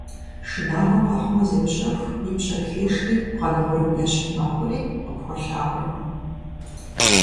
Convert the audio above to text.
Шынагъуэ къэхъумэ, зеущэху, и пщэр хешри бгъэн гъурым ещхь мэхъури, къыпхуэлъагъуркъым.